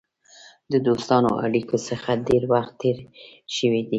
د دوستانه اړېکو څخه ډېر وخت تېر شوی دی.